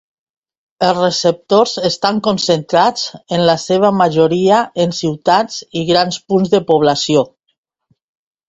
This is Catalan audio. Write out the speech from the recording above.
Els receptors estan concentrats, en la seva majoria, en ciutats i grans punts de població.